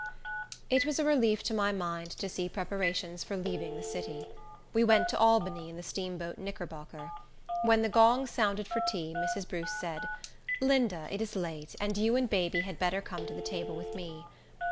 It was a relief to my mind to see preparations for leaving the city. We went to Albany in the steamboat Knickerbocker. When the gong sounded for tea, Mrs. Bruce said, "Linda, it is late, and you and baby had better come to the table with me."